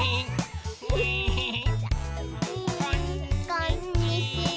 こんにちは。